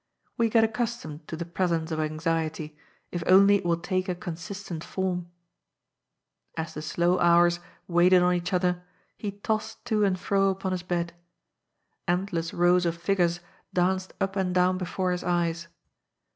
We get accustomed to the presence of anxiety, if only it will take a consistent form. As the slow hours waited on each other, he tossed to and fro upon his bed. Endless rows of figures danced up and 168 GOD'S FOOJU down before his ejes.